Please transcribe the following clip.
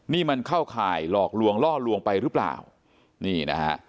นี่มันเข้าข่ายหลอกลวงล่อลวงไปหรือเปล่านี่นะฮะ